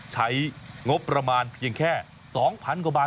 ใช้งบประมาณเพียงแค่๒๐๐๐กว่าบาท